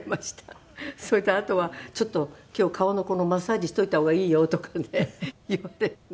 それとあとは「ちょっと今日顔のマッサージしておいた方がいいよ」とかね言われるんです。